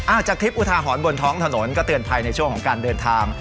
จากคลิปอุทาหรณ์บนท้องถนนก็เตือนภัยในช่วงของการเดินทาง